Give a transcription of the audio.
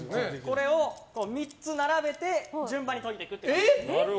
これを３つ並べて順番に解いていくという。